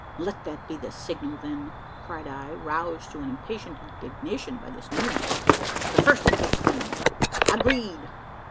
"Let that be the signal, then!" cried I, roused to an impatient indignation by this new insult: "the first that takes wing!" "Agreed!"